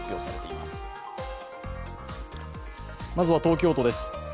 まずは東京都です。